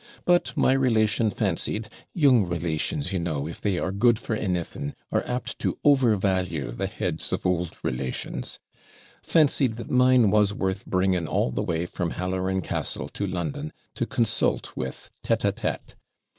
But my relation fancied young relations, you know, if they are good for anything, are apt to overvalue the heads of old relations fancied that mine was worth bringing all the way from Halloran Castle to London, to consult with TETE A TETE.